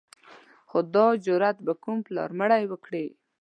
خو دا جرأت به کوم پلار مړی وکړي.